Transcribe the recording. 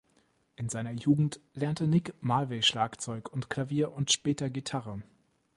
In seiner Jugend lernte Nick Mulvey Schlagzeug und Klavier und später Gitarre.